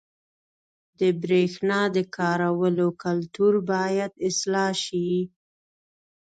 • د برېښنا د کارولو کلتور باید اصلاح شي.